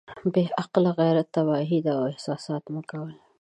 بې عقل غيرت تباهي ده احساسات مه کوئ.